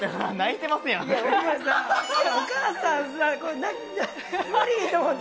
いやお母さんさ無理と思って。